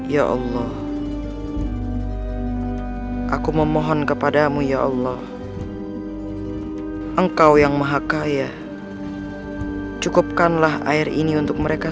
ya allah aku memohon kepadamu ya allah engkau yang maha kaya cukupkanlah air ini untuk mereka